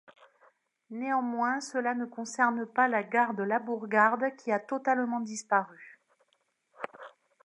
Néanmoins cela ne concerne pas la gare de Labourgade qui a totalement disparue.